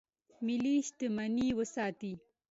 ملي شتمني وساتئ